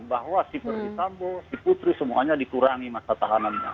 bahwa si perdisambo si putri semuanya dikurangi masa tahanannya